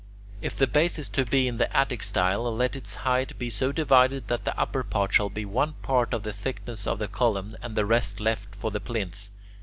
If the base is to be in the Attic style, let its height be so divided that the upper part shall be one third part of the thickness of the column, and the rest left for the plinth.